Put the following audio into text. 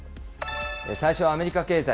最初はアメリカ経済。